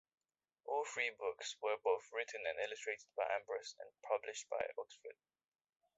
All three books were both written and illustrated by Ambrus and published by Oxford.